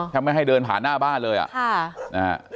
ถ้าไม่ให้เดินผ่านหน้าบ้านเลยอ่ะ